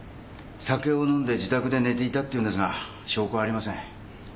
酒を飲んで自宅で寝ていたって言うんですが証拠はありません。